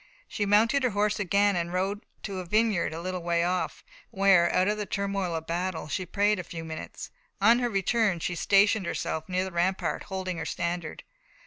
She mounted her horse again and rode to a vineyard a little way off, where, out of the turmoil of battle, she prayed a few minutes. On her return she stationed herself near the rampart, holding her standard.